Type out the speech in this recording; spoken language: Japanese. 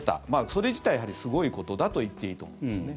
それ自体がすごいことだと言っていいと思いますね。